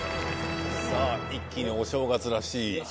さぁ一気にお正月らしい。